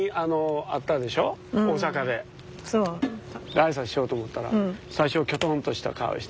で挨拶しようと思ったら最初キョトンとした顔して。